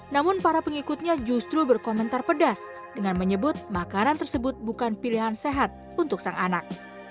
namun para pengikutnya justru berkomentar pedas dengan menyebut makanan tersebut bukan pilihan sehat untuk sang anak